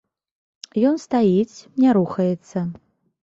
Ён стаіць, не рухаецца.